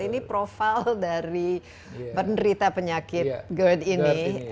ini profil dari penderita penyakit gerd ini